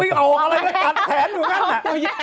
ไม่ออกมาอะไรมันกัดแขนของนั่นน่ะ